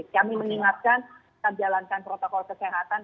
kami mengingatkan kita jalankan protokol kesehatan